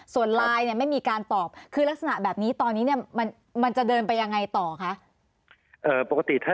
ส่วนไลน์เนี่ยไม่มีการตอบคือลักษณะแบบนี้ตอนนี้เนี่ยมันจะเดินไปยังไงต่อคะ